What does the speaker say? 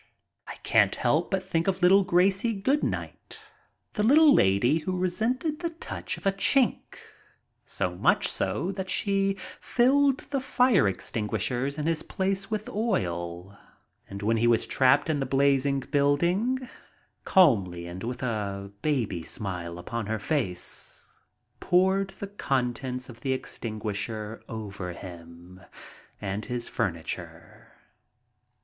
I can't help but think of little Gracie Goodnight, the little lady who resented the touch of a "Chink," so much so that she filled the fire extinguishers in his place with oil, and when he was trapped in the blazing building, calmly, and with a baby smile upon her face, poured the contents of the extinguisher over him and his furniture.